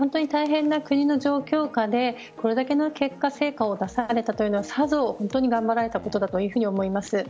大変な国の状況下でこれだけの結果成果を出されたというのはさぞ頑張られたことだと思います。